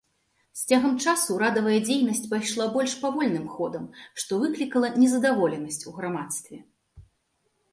З цягам часу ўрадавая дзейнасць пайшла больш павольным ходам, што выклікала незадаволенасць у грамадстве.